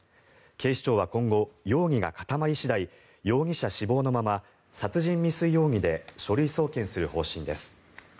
警視庁は今後、容疑が固まり次第容疑者死亡のまま殺人未遂容疑で書類送検する方針です。